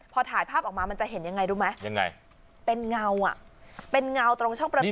พอถ่ายภาพออกมามันจะเห็นยังไงรู้ไหมยังไงเป็นเงาอ่ะเป็นเงาตรงช่องประตู